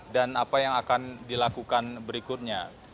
dan apa yang akan dilakukan berikutnya